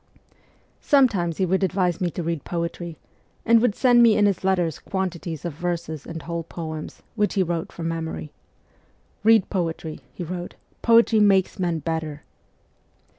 Sometimes he would advise me to read poetry, and would send me in his letters quantities of verses and whole poems, which he wrote from memory. ' Head poetry,' he wrote :' poetry makes men better.'